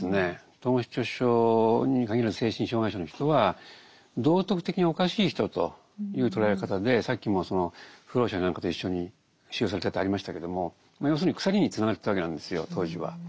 統合失調症に限らず精神障害者の人は道徳的におかしい人という捉え方でさっきもその浮浪者や何かと一緒に収容されたとありましたけどもまあ要するに鎖につながれてたわけなんですよ当時は。